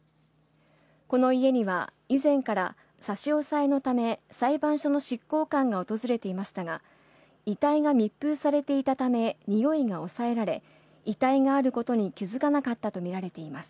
この家には以前から、差し押さえのため裁判所の執行官が訪れていましたが、遺体が密封されていたため臭いが抑えられ、遺体があることに気付かなかったと見られています。